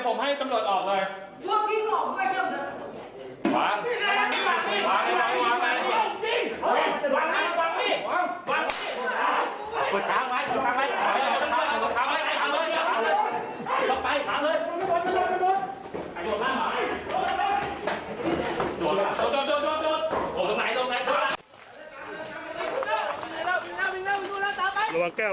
ใจเย็นไม่เป็นไร